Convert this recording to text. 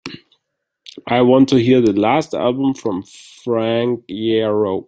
I want to hear the last album from Frank Iero